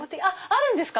あるんですか